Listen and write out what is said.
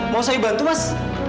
mau saya bantu mas